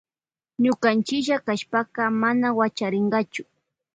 Ñukanchilla kashpaka mana wachariynkachu.